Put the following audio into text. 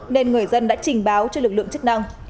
nên người dân đã trình báo cho lực lượng chức năng